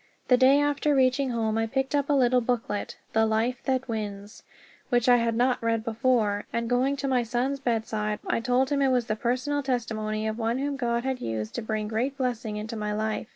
The day after reaching home I picked up a little booklet, "The Life That Wins," which I had not read before, and going to my son's bedside I told him it was the personal testimony of one whom God had used to bring great blessing into my life.